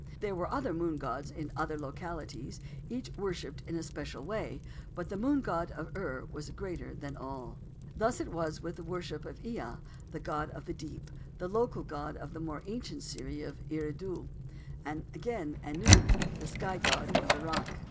There were other moon gods in other localities, each worshipped in a special way, but the Moon God of Ur was greater than all. Thus it was with the worship of Ea, the god of the deep, the local god of the more ancient city of Eridu; and again of Anu, the Sky God of Erech.